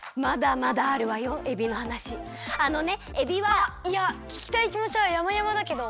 あっいやききたいきもちはやまやまだけど。